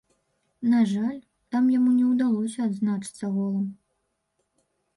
На жаль, там яму не ўдалося адзначыцца голам.